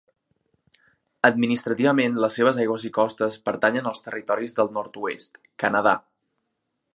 Administrativament, les seves aigües i costes pertanyen als Territoris del Nord-oest, Canadà.